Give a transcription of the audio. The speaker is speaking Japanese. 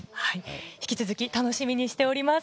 引き続き楽しみにしております。